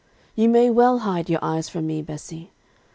You may well hide your eyes from me, Bessie.